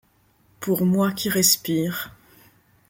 Pour moi qui respire